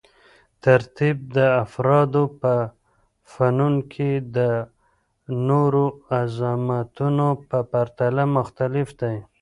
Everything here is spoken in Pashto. ترتیب د افرادو په فنون کې د نورو عظمتونو په پرتله مختلف دی.